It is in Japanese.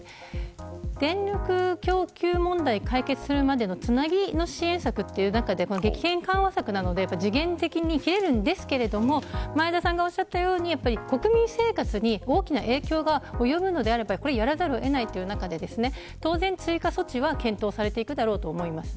電力供給問題を解決するまでのつなぎの支援策という中で激変緩和策なので時限的に消えるんですけれども前田さんがおっしゃったように国民生活に大きな影響が及ぶのであればやらざるを得ないという中で当然、追加措置は検討されていくだろうと思います。